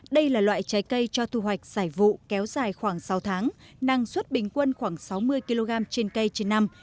đây là loại trái cây cho thu hoạch giải vụ kéo dài khoảng sáu tháng năng suất bình quân khoảng sáu mươi kg trên cây trên năm